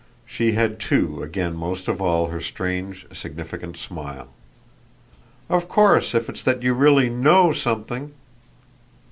She had too again most of all her strange significant smile. "Of course if it's that you really KNOW something